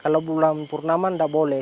kalau bulan purnama nggak boleh